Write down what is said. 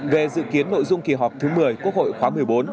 về dự kiến nội dung kỳ họp thứ một mươi quốc hội khóa một mươi bốn